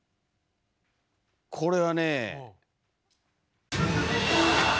これはね。